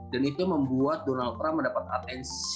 dan itu membuat donald trump mendapat atensi di media sosial